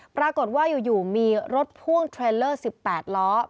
ปรากฏว่าอยู่มีรถพ่วงเทรลเลอร์๑๘ล้อ